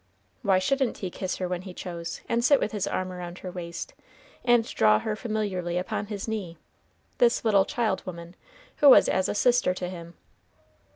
Why shouldn't he kiss her when he chose, and sit with his arm around her waist, and draw her familiarly upon his knee, this little child woman, who was as a sister to him?